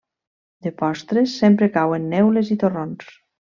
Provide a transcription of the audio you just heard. De postres sempre cauen neules i torrons.